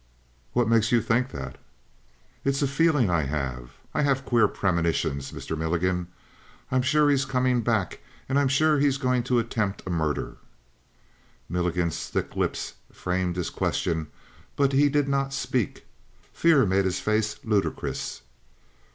"What makes you think that?" "It's a feeling I have. I have queer premonitions, Mr. Milligan, I'm sure he's coming and I'm sure he's going to attempt a murder." Milligan's thick lips framed his question but he did not speak: fear made his face ludicrous.